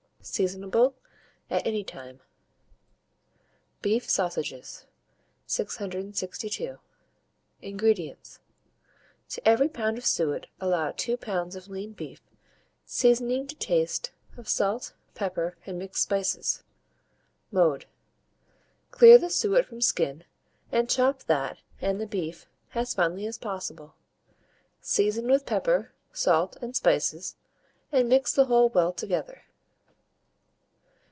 Seasonable at any time. BEEF SAUSAGES. 662. INGREDIENTS. To every lb. of suet allow 2 lbs. of lean beef; seasoning to taste of salt, pepper, and mixed spices. Mode. Clear the suet from skin, and chop that and the beef as finely as possible; season with pepper, salt, and spices, and mix the whole well together.